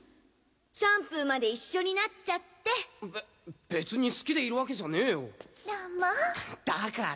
シャンプーまで一緒になっちゃってべ別に好きでいるわけじゃねえよ乱馬だから！